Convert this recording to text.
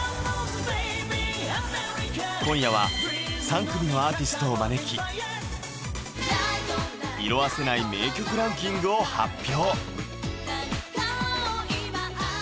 今夜は３組のアーティストを招き色褪せない名曲ランキングを発表！